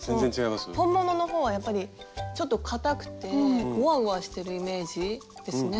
本物の方はやっぱりちょっとかたくてゴワゴワしてるイメージですね。